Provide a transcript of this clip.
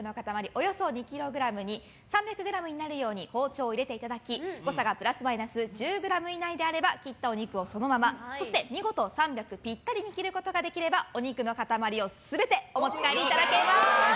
およそ２ｋｇに３００ｇになるように包丁を入れていただき誤差がプラスマイナス１０ｇ以内であれば切ったお肉をそのまま見事３００ｇピッタリに切ることができればお肉の塊を全てお持ち帰りいただけます。